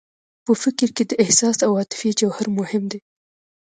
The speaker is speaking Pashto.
په فکر کې د احساس او عاطفې جوهر مهم دی